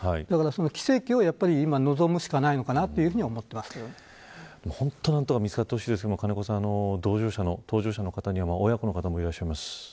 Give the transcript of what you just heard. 奇跡を今、望むしかないのかなと何とか見つかってほしいですが搭乗者の方には親子の方もいらっしゃいます。